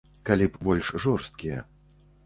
Калі б больш жорсткія.